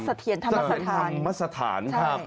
สะเถียนธรรมสถานสะเถียนธรรมสถานครับใช่